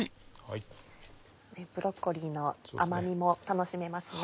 ブロッコリーの甘みも楽しめますね。